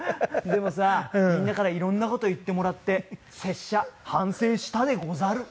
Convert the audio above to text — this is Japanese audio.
でもさみんなから色んな事言ってもらって拙者反省したでござる。